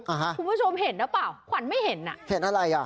คุณผู้ชมเห็นหรือเปล่าขวัญไม่เห็นอ่ะเห็นอะไรอ่ะ